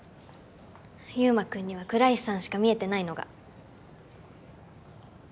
悠真君には倉石さんしか見えてないのが。